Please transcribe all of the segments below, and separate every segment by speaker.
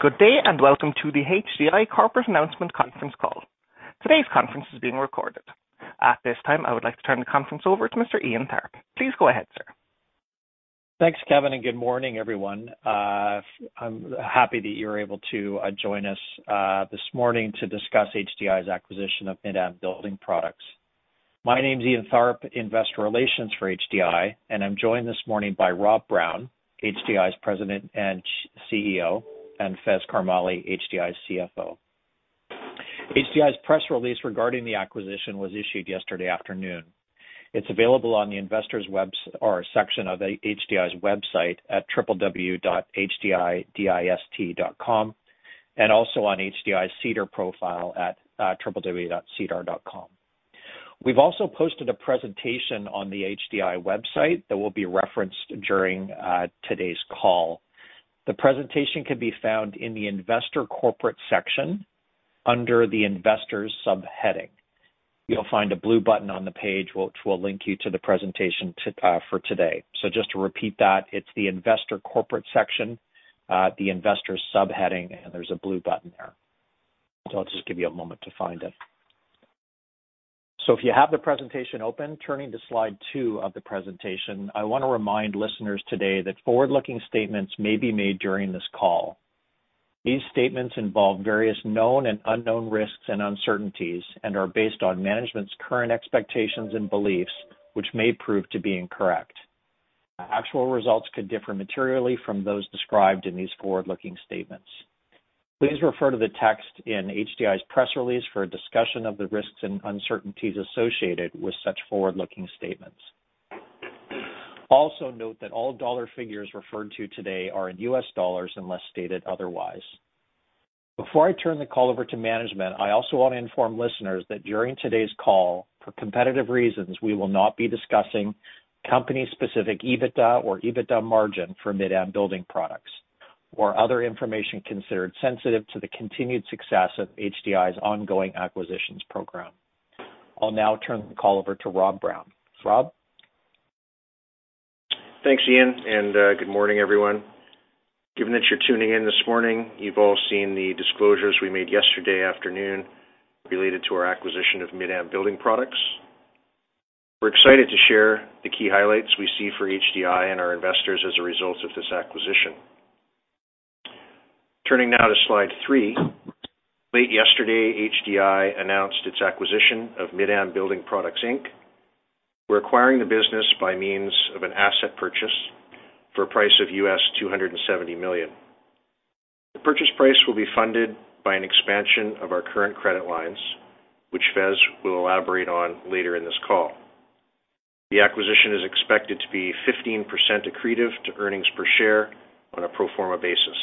Speaker 1: Good day, and welcome to the HDI Corporate Announcement conference call. Today's conference is being recorded. At this time, I would like to turn the conference over to Mr. Ian Tharp. Please go ahead, sir.
Speaker 2: Thanks, Kevin, and good morning, everyone. I'm happy that you're able to join us this morning to discuss HDI's acquisition of Mid-Am Building Supply. My name's Ian Tharp, Investor Relations for HDI, and I'm joined this morning by Rob Brown, HDI's President and CEO, and Faiz Karmally, HDI's CFO. HDI's press release regarding the acquisition was issued yesterday afternoon. It's available on the investors section of HDI's website at www.hdidist.com and also on HDI's SEDAR profile at www.sedar.com. We've also posted a presentation on the HDI website that will be referenced during today's call. The presentation can be found in the investor corporate section under the investors subheading. You'll find a blue button on the page which will link you to the presentation for today. Just to repeat that, it's the investor corporate section, the investors subheading, and there's a blue button there. I'll just give you a moment to find it. If you have the presentation open, turning to slide two of the presentation, I wanna remind listeners today that forward-looking statements may be made during this call. These statements involve various known and unknown risks and uncertainties and are based on management's current expectations and beliefs, which may prove to be incorrect. Actual results could differ materially from those described in these forward-looking statements. Please refer to the text in HDI's press release for a discussion of the risks and uncertainties associated with such forward-looking statements. Also, note that all dollar figures referred to today are in US dollars unless stated otherwise. Before I turn the call over to management, I also want to inform listeners that during today's call, for competitive reasons, we will not be discussing company-specific EBITDA or EBITDA margin for Mid-Am Building Supply or other information considered sensitive to the continued success of HDI's ongoing acquisitions program. I'll now turn the call over to Rob Brown. Rob?
Speaker 3: Thanks, Ian, and good morning, everyone. Given that you're tuning in this morning, you've all seen the disclosures we made yesterday afternoon related to our acquisition of Mid-Am Building Supply. We're excited to share the key highlights we see for HDI and our investors as a result of this acquisition. Turning now to slide three. Late yesterday, HDI announced its acquisition of Mid-Am Building Supply Inc. We're acquiring the business by means of an asset purchase for a price of $270 million. The purchase price will be funded by an expansion of our current credit lines, which Faiz will elaborate on later in this call. The acquisition is expected to be 15% accretive to earnings per share on a pro forma basis.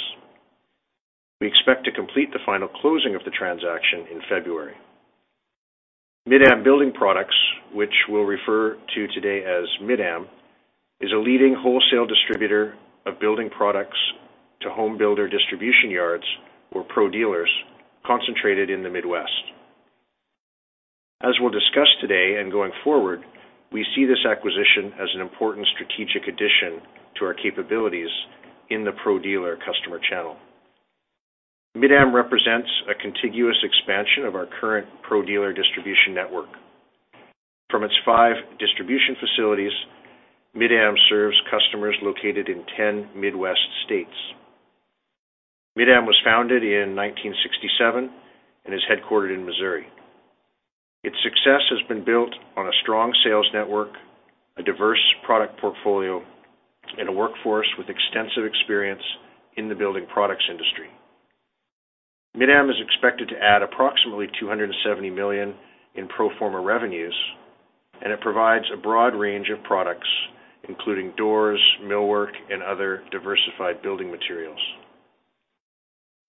Speaker 3: We expect to complete the final closing of the transaction in February. Mid-Am Building Supply, which we'll refer to today as Mid-Am, is a leading wholesale distributor of building products to home builder distribution yards or pro dealers concentrated in the Midwest. As we'll discuss today and going forward, we see this acquisition as an important strategic addition to our capabilities in the pro dealer customer channel. Mid-Am represents a contiguous expansion of our current pro dealer distribution network. From its five distribution facilities, Mid-Am serves customers located in 10 Midwest states. Mid-Am was founded in 1967 and is headquartered in Missouri. Its success has been built on a strong sales network, a diverse product portfolio, and a workforce with extensive experience in the building products industry. Mid-Am is expected to add approximately $270 million in pro forma revenues, and it provides a broad range of products, including doors, millwork, and other diversified building materials.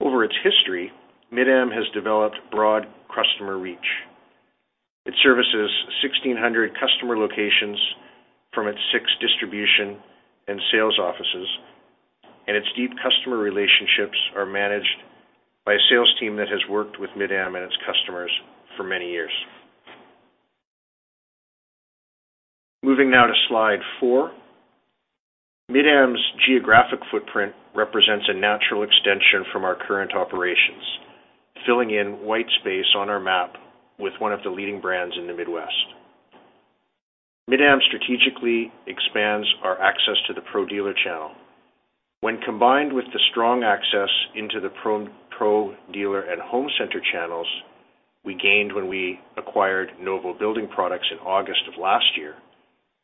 Speaker 3: Over its history, Mid-Am has developed broad customer reach. It services 1,600 customer locations from its six distribution and sales offices, and its deep customer relationships are managed by a sales team that has worked with Mid-Am and its customers for many years. Moving now to slide four. Mid-Am's geographic footprint represents a natural extension from our current operations, filling in white space on our map with one of the leading brands in the Midwest. Mid-Am strategically expands our access to the pro dealer channel. When combined with the strong access into the pro dealer and home center channels we gained when we acquired Novo Building Products in August of last year,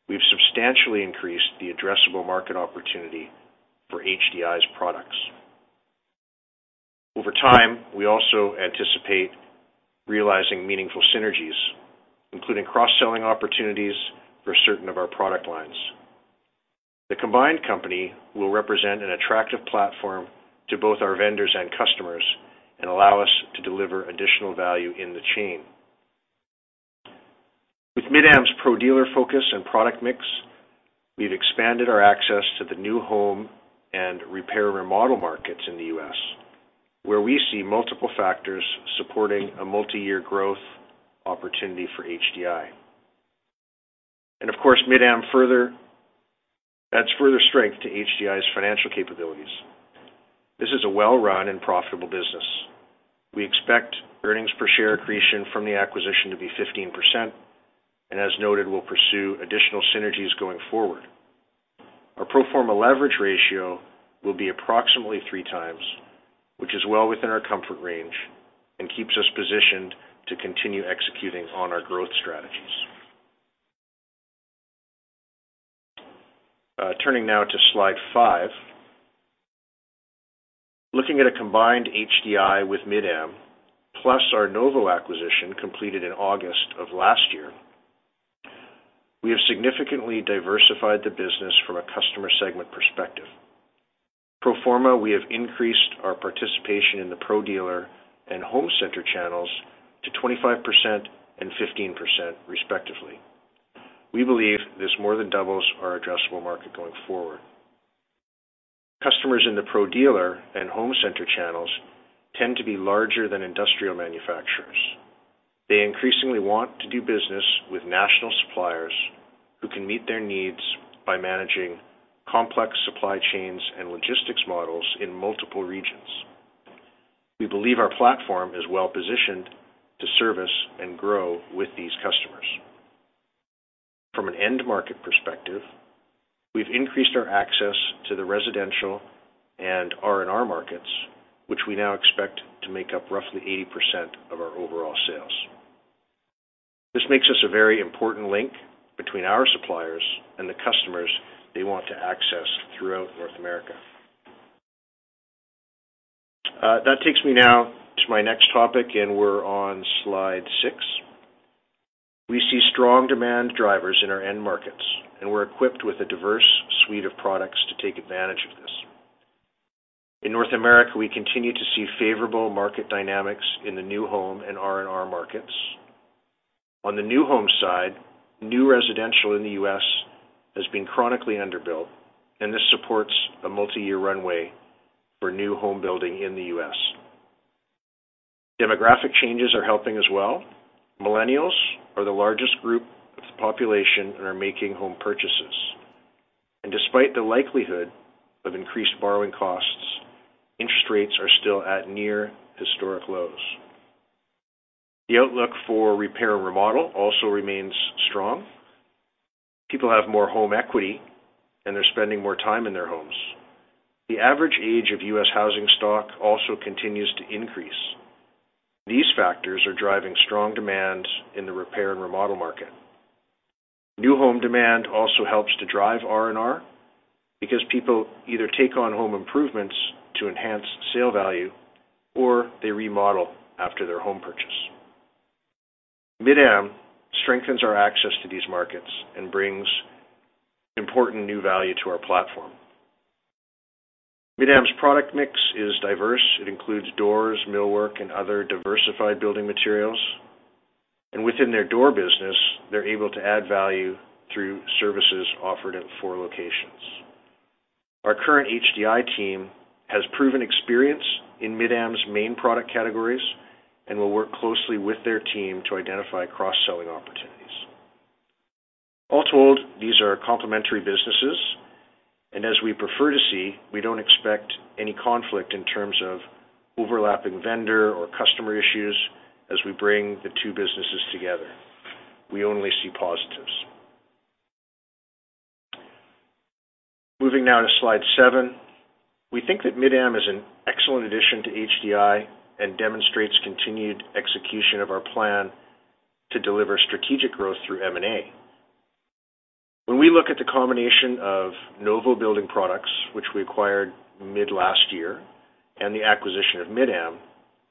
Speaker 3: we've substantially increased the addressable market opportunity for HDI's products. Over time, we also anticipate realizing meaningful synergies, including cross-selling opportunities for certain of our product lines. The combined company will represent an attractive platform to both our vendors and customers and allow us to deliver additional value in the chain. With Mid-Am's pro dealer focus and product mix, we've expanded our access to the new home and repair remodel markets in the U.S., where we see multiple factors supporting a multi-year growth opportunity for HDI. Of course, Mid-Am adds further strength to HDI's financial capabilities. This is a well-run and profitable business. We expect earnings per share accretion from the acquisition to be 15%, and as noted, we'll pursue additional synergies going forward. Our pro forma leverage ratio will be approximately 3x, which is well within our comfort range and keeps us positioned to continue executing on our growth strategies. Turning now to slide five. Looking at a combined HDI with Mid-Am, plus our Novo acquisition completed in August of last year, we have significantly diversified the business from a customer segment perspective. Pro forma, we have increased our participation in the pro dealer and home center channels to 25% and 15% respectively. We believe this more than doubles our addressable market going forward. Customers in the pro dealer and home center channels tend to be larger than industrial manufacturers. They increasingly want to do business with national suppliers who can meet their needs by managing complex supply chains and logistics models in multiple regions. We believe our platform is well positioned to service and grow with these customers. From an end market perspective, we've increased our access to the residential and R&R markets, which we now expect to make up roughly 80% of our overall sales. This makes us a very important link between our suppliers and the customers they want to access throughout North America. That takes me now to my next topic, and we're on slide six. We see strong demand drivers in our end markets, and we're equipped with a diverse suite of products to take advantage of this. In North America, we continue to see favorable market dynamics in the new home and R&R markets. On the new home side, new residential in the U.S. has been chronically underbuilt, and this supports a multi-year runway for new home building in the U.S. Demographic changes are helping as well. Millennials are the largest group of the population and are making home purchases. Despite the likelihood of increased borrowing costs, interest rates are still at near historic lows. The outlook for repair and remodel also remains strong. People have more home equity, and they're spending more time in their homes. The average age of U.S. housing stock also continues to increase. These factors are driving strong demand in the repair and remodel market. New home demand also helps to drive R&R because people either take on home improvements to enhance sale value or they remodel after their home purchase. Mid-Am strengthens our access to these markets and brings important new value to our platform. Mid-Am's product mix is diverse. It includes doors, millwork, and other diversified building materials. Within their door business, they're able to add value through services offered at four locations. Our current HDI team has proven experience in Mid-Am's main product categories and will work closely with their team to identify cross-selling opportunities. All told, these are complementary businesses, and as we prefer to see, we don't expect any conflict in terms of overlapping vendor or customer issues as we bring the two businesses together. We only see positives. Moving now to slide seven. We think that Mid-Am is an excellent addition to HDI and demonstrates continued execution of our plan to deliver strategic growth through M&A. When we look at the combination of Novo Building Products, which we acquired mid last year, and the acquisition of Mid-Am,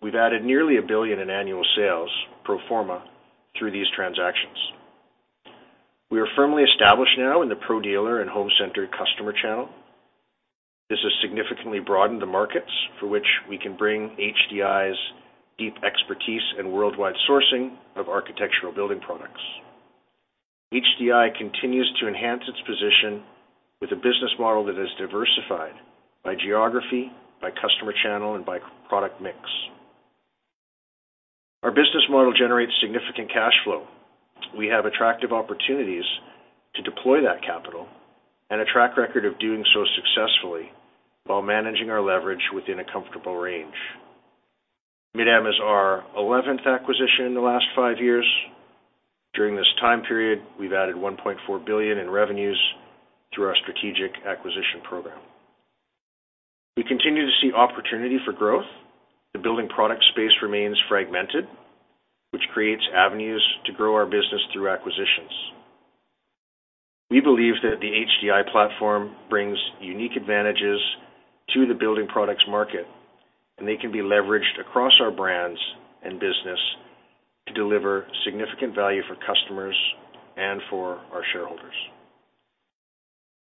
Speaker 3: we've added nearly $1 billion in annual sales pro forma through these transactions. We are firmly established now in the pro dealer and home center customer channel. This has significantly broadened the markets for which we can bring HDI's deep expertise and worldwide sourcing of architectural building products. HDI continues to enhance its position with a business model that is diversified by geography, by customer channel, and by product mix. Our business model generates significant cash flow. We have attractive opportunities to deploy that capital and a track record of doing so successfully while managing our leverage within a comfortable range. Mid-Am is our 11th acquisition in the last five years. During this time period, we've added 1.4 billion in revenues through our strategic acquisition program. We continue to see opportunity for growth. The building product space remains fragmented, which creates avenues to grow our business through acquisitions. We believe that the HDI platform brings unique advantages to the building products market, and they can be leveraged across our brands and business to deliver significant value for customers and for our shareholders.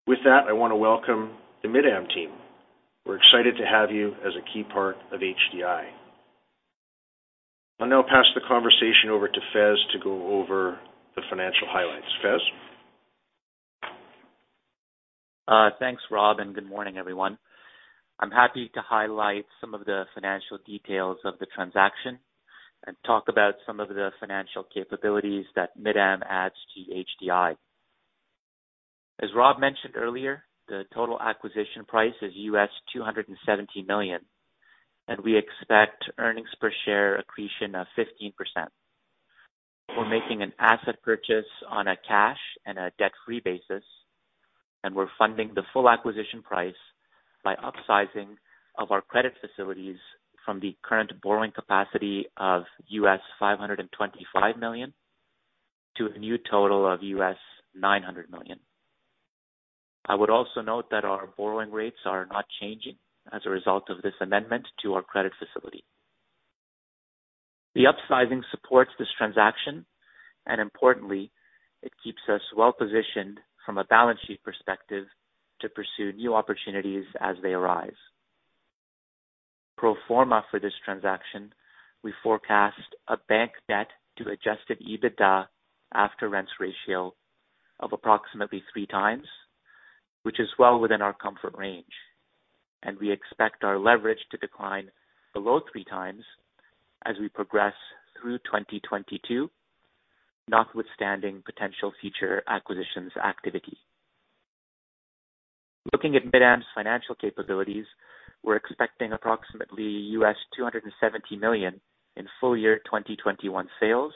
Speaker 3: With that, I wanna welcome the Mid-Am team. We're excited to have you as a key part of HDI. I'll now pass the conversation over to Faiz Karmally to go over the financial highlights. Faiz Karmally?
Speaker 4: Thanks, Rob, and good morning, everyone. I'm happy to highlight some of the financial details of the transaction and talk about some of the financial capabilities that Mid-Am adds to HDI. As Rob mentioned earlier, the total acquisition price is $270 million, and we expect earnings per share accretion of 15%. We're making an asset purchase on a cash and a debt-free basis, and we're funding the full acquisition price by upsizing of our credit facilities from the current borrowing capacity of $525 million to a new total of $900 million. I would also note that our borrowing rates are not changing as a result of this amendment to our credit facility. The upsizing supports this transaction, and importantly, it keeps us well positioned from a balance sheet perspective to pursue new opportunities as they arise. Pro forma for this transaction, we forecast a bank debt to adjusted EBITDA after rents ratio of approximately 3x, which is well within our comfort range, and we expect our leverage to decline below 3x as we progress through 2022, notwithstanding potential future acquisitions activity. Looking at Mid-Am's financial capabilities, we're expecting approximately $270 million in full year 2021 sales.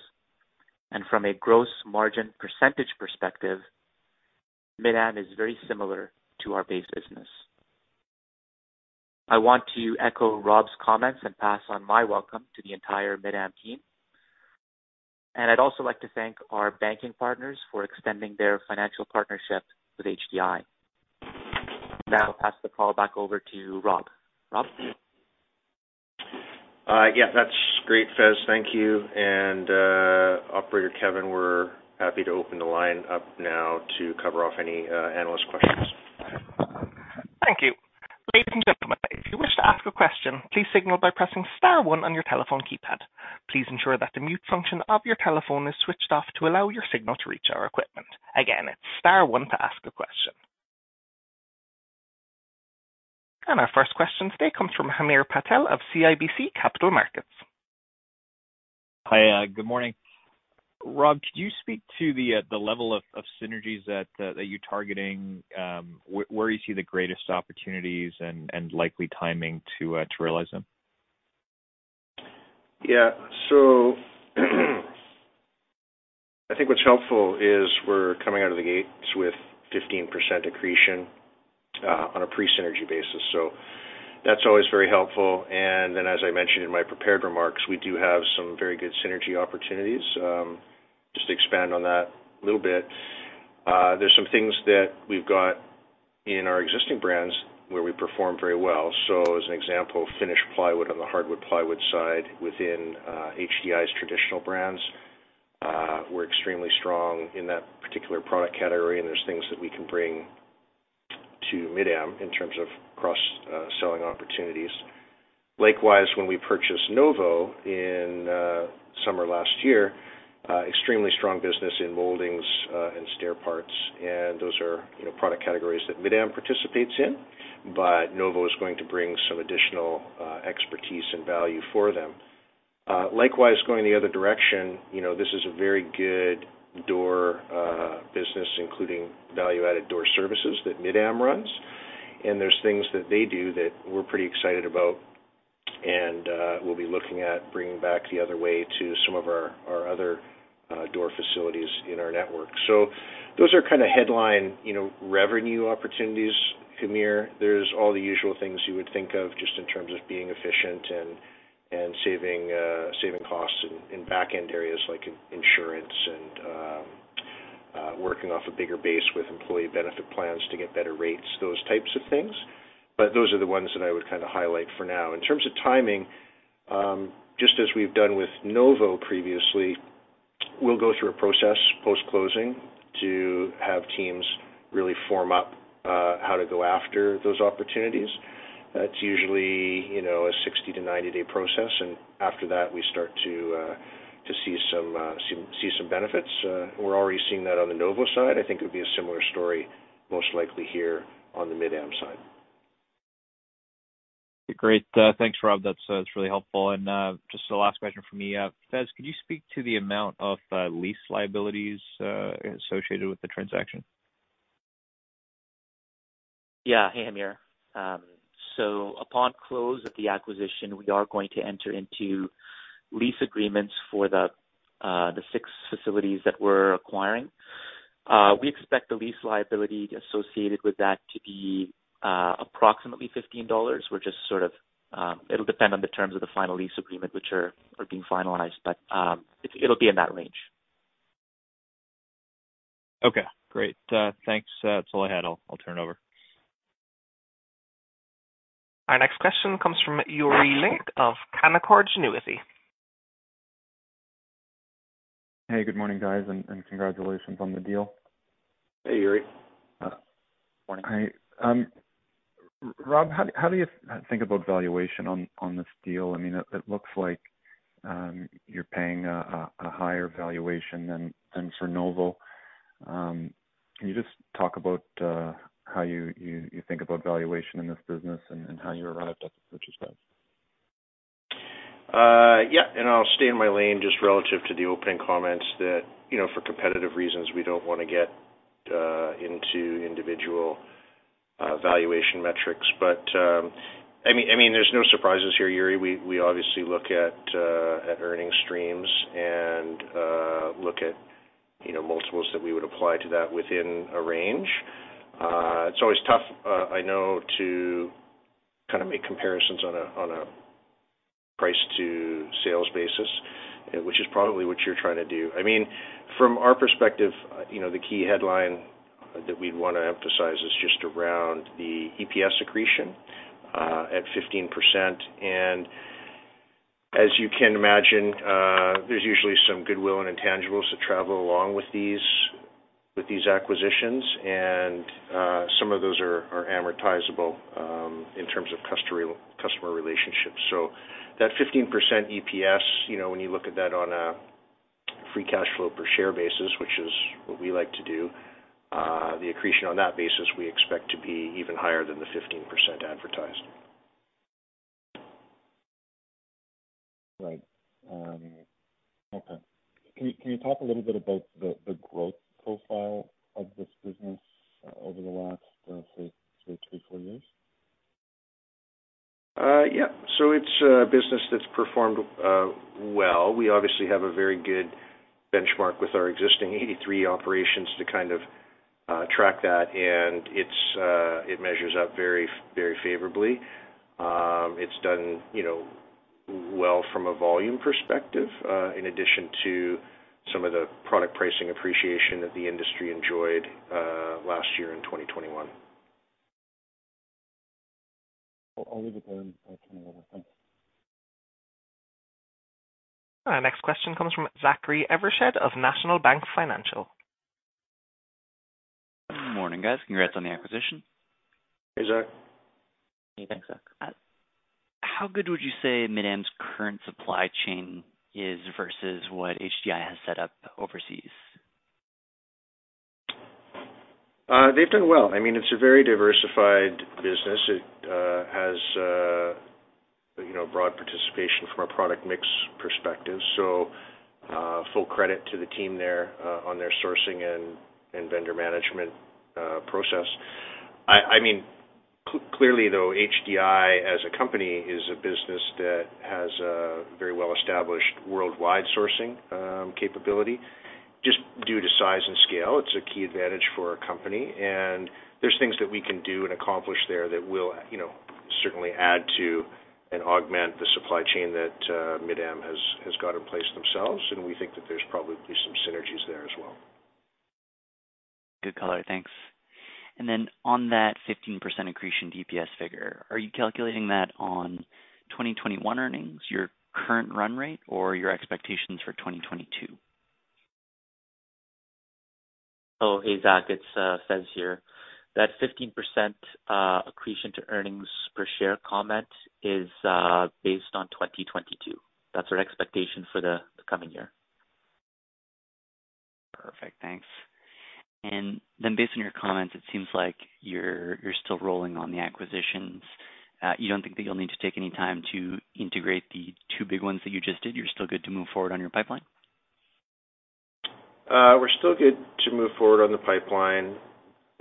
Speaker 4: From a gross margin percentage perspective, Mid-Am is very similar to our base business. I want to echo Rob's comments and pass on my welcome to the entire Mid-Am team. I'd also like to thank our banking partners for extending their financial partnership with HDI. Now I'll pass the call back over to Rob. Rob?
Speaker 3: Yeah, that's great, Faiz. Thank you. Operator Kevin, we're happy to open the line up now to cover off any analyst questions.
Speaker 1: Thank you. Ladies and gentlemen, if you wish to ask a question, please signal by pressing star one on your telephone keypad. Please ensure that the mute function of your telephone is switched off to allow your signal to reach our equipment. Again, it's star one to ask a question. Our first question today comes from Hamir Patel of CIBC Capital Markets.
Speaker 5: Hi, good morning. Rob, could you speak to the level of synergies that you're targeting? Where you see the greatest opportunities and likely timing to realize them?
Speaker 3: Yeah. I think what's helpful is we're coming out of the gates with 15% accretion on a pre-synergy basis. That's always very helpful. Then, as I mentioned in my prepared remarks, we do have some very good synergy opportunities. Just to expand on that a little bit, there's some things that we've got in our existing brands where we perform very well. As an example, finished plywood on the hardwood plywood side within HDI's traditional brands, we're extremely strong in that particular product category, and there's things that we can bring to Mid-Am in terms of cross selling opportunities. Likewise, when we purchased Novo in summer last year, extremely strong business in moldings and stair parts, and those are, you know, product categories that Mid-Am participates in, but Novo is going to bring some additional expertise and value for them. Likewise, going the other direction, you know, this is a very good door business, including value-added door services that Mid-Am runs, and there's things that they do that we're pretty excited about and we'll be looking at bringing back the other way to some of our other door facilities in our network. So those are kind of headline, you know, revenue opportunities, Hamir. There's all the usual things you would think of just in terms of being efficient and saving costs in back-end areas like in insurance and working off a bigger base with employee benefit plans to get better rates, those types of things. Those are the ones that I would kind of highlight for now. In terms of timing, just as we've done with Novo previously, we'll go through a process post-closing to have teams really form up how to go after those opportunities. It's usually, you know, a 60- to 90-day process, and after that, we start to see some benefits. We're already seeing that on the Novo side. I think it'll be a similar story most likely here on the Mid-Am side.
Speaker 5: Great. Thanks, Rob. That's really helpful. Just the last question from me. Faiz, could you speak to the amount of lease liabilities associated with the transaction?
Speaker 4: Yeah. Hey, Hamir. Upon close of the acquisition, we are going to enter into lease agreements for the six facilities that we're acquiring. We expect the lease liability associated with that to be approximately $15. We're just sort of, it'll depend on the terms of the final lease agreement which are being finalized, but, it'll be in that range.
Speaker 5: Okay, great. Thanks. That's all I had. I'll turn it over.
Speaker 1: Our next question comes from Yuri Lynk of Canaccord Genuity.
Speaker 6: Hey, good morning, guys, and congratulations on the deal.
Speaker 3: Hey, Yuri. Good morning.
Speaker 6: Rob, how do you think about valuation on this deal? I mean, it looks like you're paying a higher valuation than for Novo. Can you just talk about how you think about valuation in this business and how you arrived at the purchase price?
Speaker 3: Yeah. I'll stay in my lane just relative to the opening comments that, you know, for competitive reasons, we don't wanna get into individual valuation metrics. But, I mean, there's no surprises here, Yuri. We obviously look at earning streams and look at, you know, multiples that we would apply to that within a range. It's always tough, I know, to kinda make comparisons on a price to sales basis, which is probably what you're trying to do. I mean, from our perspective, you know, the key headline that we'd wanna emphasize is just around the EPS accretion at 15%. As you can imagine, there's usually some goodwill and intangibles that travel along with these acquisitions. Some of those are amortizable in terms of customer relationships. That 15% EPS, you know, when you look at that on a free cash flow per share basis, which is what we like to do, the accretion on that basis we expect to be even higher than the 15% advertised.
Speaker 6: Right. Okay. Can you talk a little bit about the growth profile of this business over the last, say, three to four years?
Speaker 3: It's a business that's performed well. We obviously have a very good benchmark with our existing 83 operations to kind of track that, and it measures up very favorably. It's done, you know, well from a volume perspective, in addition to some of the product pricing appreciation that the industry enjoyed last year in 2021.
Speaker 6: I'll leave it there. I'll turn it over. Thanks.
Speaker 1: Our next question comes from Zachary Evershed of National Bank Financial.
Speaker 7: Morning, guys. Congrats on the acquisition.
Speaker 3: Hey, Zach.
Speaker 4: Hey, thanks Zach.
Speaker 7: How good would you say Mid-Am's current supply chain is versus what HDI has set up overseas?
Speaker 3: They've done well. I mean, it's a very diversified business. It has you know, broad participation from a product mix perspective. Full credit to the team there on their sourcing and vendor management process. I mean, clearly though, HDI as a company is a business that has a very well-established worldwide sourcing capability just due to size and scale. It's a key advantage for our company, and there's things that we can do and accomplish there that will you know, certainly add to and augment the supply chain that Mid-Am has got in place themselves, and we think that there's probably some synergies there as well.
Speaker 7: Good color. Thanks. On that 15% accretion EPS figure, are you calculating that on 2021 earnings, your current run rate or your expectations for 2022?
Speaker 4: Oh, hey, Zach, it's Faiz here. That 15% accretion to earnings per share comment is based on 2022. That's our expectation for the coming year.
Speaker 7: Perfect. Thanks. Based on your comments, it seems like you're still rolling on the acquisitions. You don't think that you'll need to take any time to integrate the two big ones that you just did? You're still good to move forward on your pipeline?
Speaker 3: We're still good to move forward on the pipeline.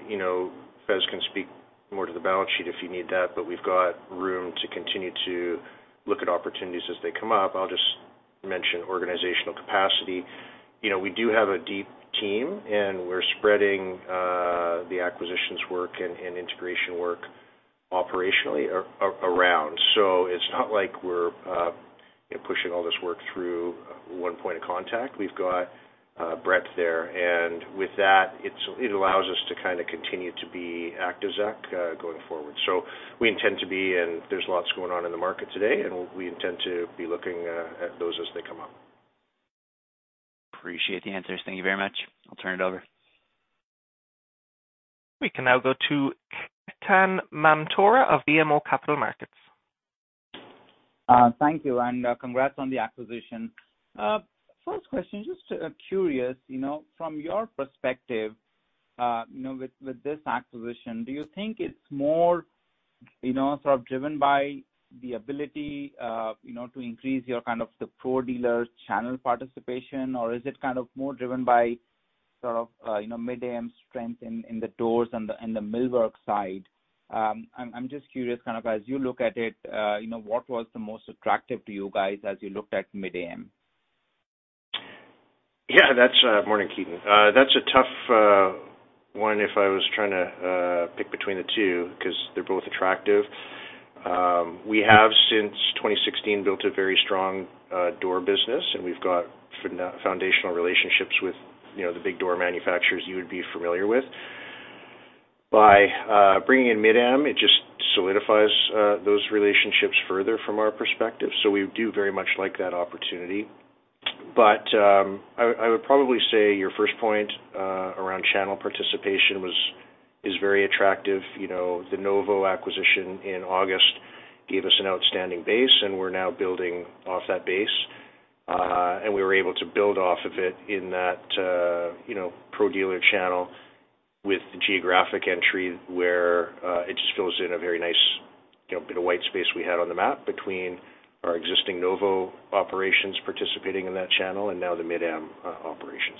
Speaker 3: You know, Faiz can speak more to the balance sheet if you need that, but we've got room to continue to look at opportunities as they come up. I'll just mention organizational capacity. You know, we do have a deep team, and we're spreading the acquisitions work and integration work operationally around. So it's not like we're you know, pushing all this work through one point of contact. We've got breadth there. And with that, it allows us to kinda continue to be active, Zach, going forward. So we intend to be, and there's lots going on in the market today, and we intend to be looking at those as they come up.
Speaker 7: Appreciate the answers. Thank you very much. I'll turn it over.
Speaker 1: We can now go to Ketan Mamtora of BMO Capital Markets.
Speaker 8: Thank you and congrats on the acquisition. First question, just curious, you know, from your perspective, you know, with this acquisition, do you think it's more, you know, sort of driven by the ability, you know, to increase your kind of the pro dealer channel participation, or is it kind of more driven by sort of, you know, Mid-Am's strength in the doors and the millwork side? I'm just curious, kind of as you look at it, you know, what was the most attractive to you guys as you looked at Mid-Am?
Speaker 3: Morning, Ketan. That's a tough one if I was trying to pick between the two 'cause they're both attractive. We have, since 2016, built a very strong door business, and we've got foundational relationships with, you know, the big door manufacturers you would be familiar with. By bringing in Mid-Am, it just solidifies. From our perspective, so we do very much like that opportunity. I would probably say your first point around channel participation was, is very attractive. You know, the Novo acquisition in August gave us an outstanding base, and we're now building off that base. We were able to build off of it in that, you know, pro dealer channel with the geographic entry where it just fills in a very nice, you know, bit of white space we had on the map between our existing Novo operations participating in that channel and now the Mid-Am operations.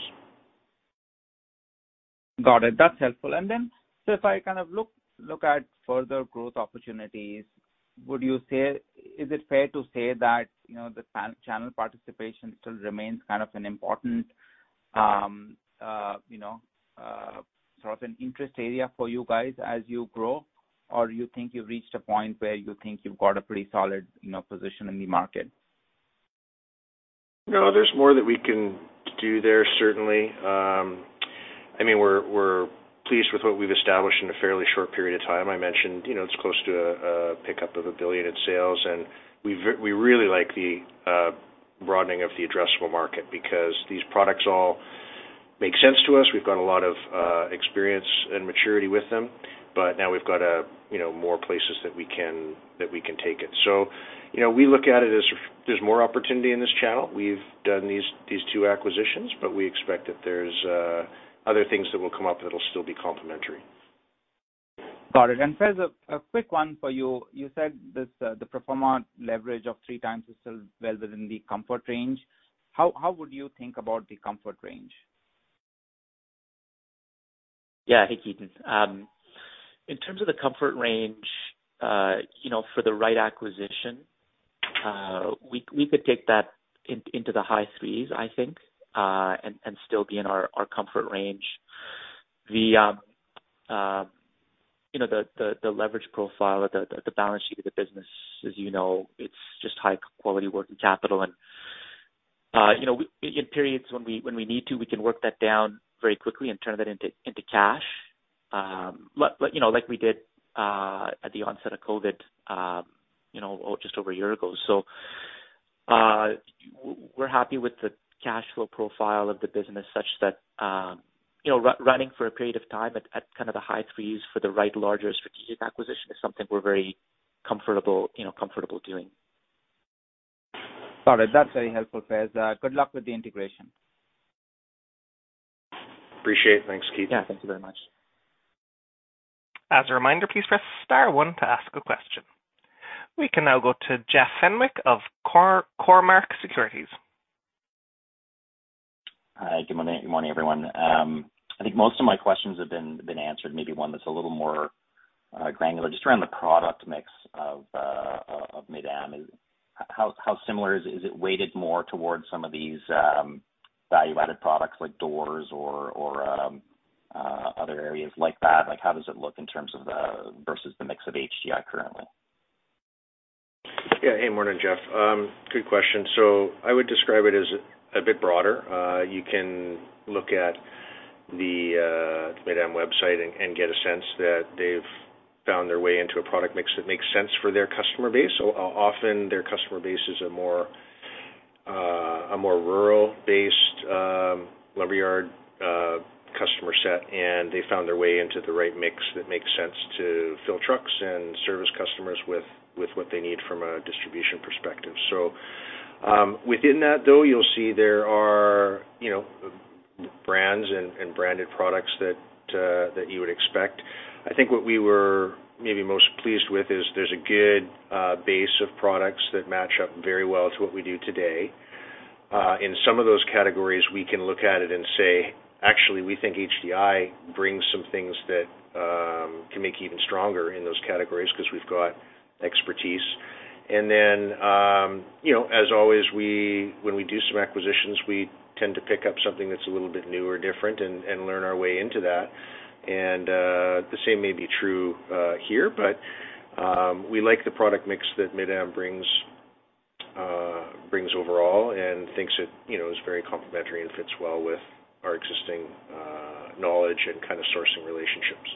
Speaker 8: Got it. That's helpful. If I kind of look at further growth opportunities, would you say? Is it fair to say that, you know, the channel participation still remains kind of an important, you know, sort of an interest area for you guys as you grow? Or you think you've reached a point where you think you've got a pretty solid, you know, position in the market?
Speaker 3: No, there's more that we can do there, certainly. I mean, we're pleased with what we've established in a fairly short period of time. I mentioned, you know, it's close to a pickup of $1 billion in sales, and we really like the broadening of the addressable market because these products all make sense to us. We've got a lot of experience and maturity with them, but now we've got a, you know, more places that we can take it. So, you know, we look at it as there's more opportunity in this channel. We've done these two acquisitions, but we expect that there's other things that will come up that'll still be complementary.
Speaker 8: Got it. Faiz, quick one for you. You said this, the pro forma leverage of 3x is still well within the comfort range. How would you think about the comfort range?
Speaker 4: Yeah. Hey, Ketan. In terms of the comfort range, you know, for the right acquisition, we could take that into the high threes, I think, and still be in our comfort range. You know, the leverage profile of the balance sheet of the business, as you know, it's just high quality working capital. You know, in periods when we need to, we can work that down very quickly and turn that into cash. Like, you know, like we did at the onset of COVID, you know, or just over a year ago. We're happy with the cash flow profile of the business such that, you know, running for a period of time at kind of the high threes for the right larger strategic acquisition is something we're very comfortable, you know, doing.
Speaker 8: Got it. That's very helpful, Faiz. Good luck with the integration.
Speaker 3: Appreciate it. Thanks, Ketan.
Speaker 4: Yeah. Thank you very much.
Speaker 1: As a reminder, please press star one to ask a question. We can now go to Jeff Fenwick of Cormark Securities.
Speaker 9: Hi. Good morning. Good morning, everyone. I think most of my questions have been answered. Maybe one that's a little more granular just around the product mix of Mid-Am. How similar is it? Is it weighted more towards some of these value-added products like doors or other areas like that? Like, how does it look in terms of the versus the mix of HDI currently?
Speaker 3: Yeah. Hey, morning, Jeff. Good question. I would describe it as a bit broader. You can look at the Mid-Am website and get a sense that they've found their way into a product mix that makes sense for their customer base. Often their customer base is a more rural based yard customer set, and they found their way into the right mix that makes sense to fill trucks and service customers with what they need from a distribution perspective. Within that though, you'll see there are, you know, brands and branded products that you would expect. I think what we were maybe most pleased with is there's a good base of products that match up very well to what we do today. In some of those categories, we can look at it and say, "Actually, we think HDI brings some things that can make even stronger in those categories 'cause we've got expertise." Then, you know, as always, when we do some acquisitions, we tend to pick up something that's a little bit new or different and learn our way into that. The same may be true here, but we like the product mix that Mid-Am brings overall and thinks it, you know, is very complementary and fits well with our existing knowledge and kinda sourcing relationships.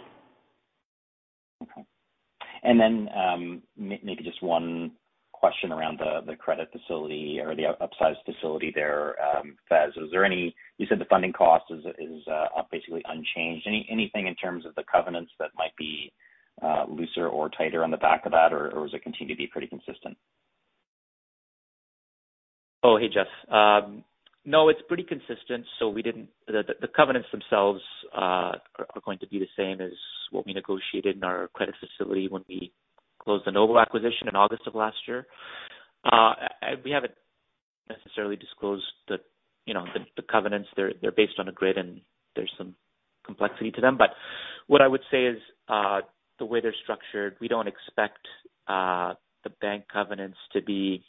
Speaker 9: Okay. Maybe just one question around the credit facility or the upsized facility there, Faiz. You said the funding cost is basically unchanged. Anything in terms of the covenants that might be looser or tighter on the back of that or does it continue to be pretty consistent?
Speaker 4: Oh, hey, Jeff. No, it's pretty consistent. The covenants themselves are going to be the same as what we negotiated in our credit facility when we closed the Novo acquisition in August of last year. We haven't necessarily disclosed the, you know, the covenants. They're based on a grid, and there's some complexity to them. What I would say is, the way they're structured, we don't expect the bank covenants to be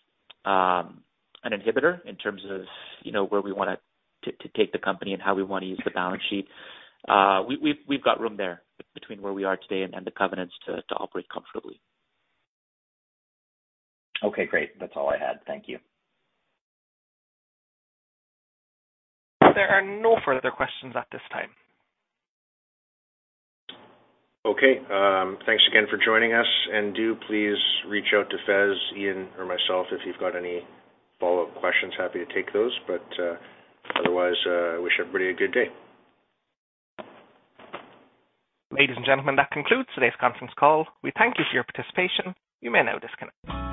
Speaker 4: an inhibitor in terms of, you know, where we wanna to take the company and how we wanna use the balance sheet. We've got room there between where we are today and the covenants to operate comfortably.
Speaker 9: Okay, great. That's all I had. Thank you.
Speaker 1: There are no further questions at this time.
Speaker 3: Okay. Thanks again for joining us, and do please reach out to Faiz, Ian, or myself if you've got any follow-up questions. Happy to take those. Otherwise, I wish everybody a good day.
Speaker 1: Ladies and gentlemen, that concludes today's conference call. We thank you for your participation. You may now disconnect.